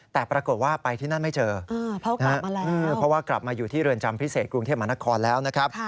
แต่ปรากฏว่าไปที่นั่นไม่เจอเพราะว่ากลับมาอยู่ที่เรือนจำพิเศษกรุงเทพมหานครแล้วนะครับ